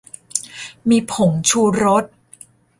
มีผงชูรส